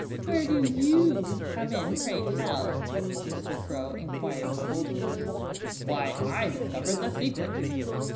"Where do you come in, pray tell?" Mr. Crow inquired coldly. "Why, I discovered the secret!"